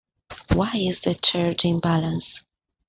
Why is there charge imbalance?